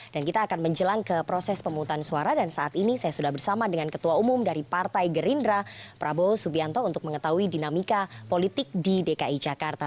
dan kita akan menjelang ke proses pemutusan suara dan saat ini saya sudah bersama dengan ketua umum dari partai gerindra prabowo subianto untuk mengetahui dinamika politik di dki jakarta